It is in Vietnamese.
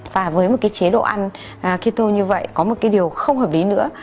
và với một cái chế độ ăn keto như vậy có một cái điều không hợp lý nữa